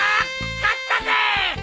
勝ったぜ！